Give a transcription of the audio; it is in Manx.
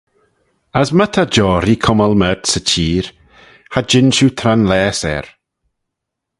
As my ta joarree cummal mayrt 'sy cheer, cha jean shiu tranlaase er.